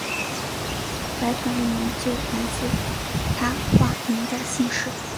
白团一名就来自他化名的姓氏。